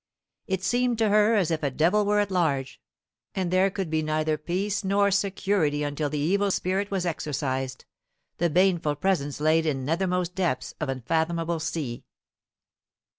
It seemed to her as if a devil were at large, and there could be neither peace nor security until the evil spirit was exorcised, the baneful presence laid in nethermost depths of unfathomable sea.